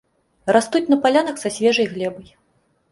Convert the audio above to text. Растуць на палянах са свежай глебай.